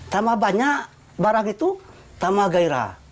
semakin banyak barang itu semakin gairah